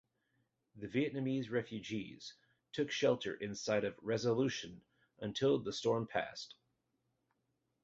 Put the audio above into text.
The Vietnamese refugees took shelter inside of "Resolution" until the storm passed.